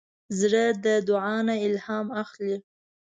زړه د دعا نه الهام اخلي.